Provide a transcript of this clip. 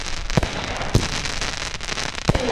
สื่อที่รัก